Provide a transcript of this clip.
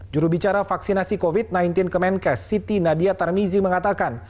jurubicara vaksinasi covid sembilan belas kemenkes siti nadia tarmizi mengatakan